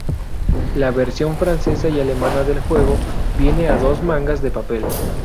La versión francesa y alemana del juego viene a dos mangas de papel.